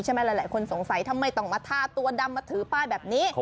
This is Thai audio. หลายคนสงสัยทำไมต้องมาทาตัวดำมาถือป้ายแบบนี้